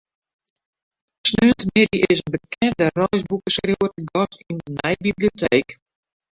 Saterdeitemiddei is in bekende reisboekeskriuwer te gast yn de nije biblioteek.